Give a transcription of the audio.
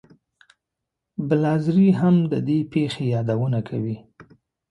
بلاذري هم د دې پېښې یادونه کوي.